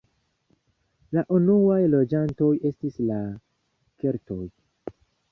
La unuaj loĝantoj estis la keltoj.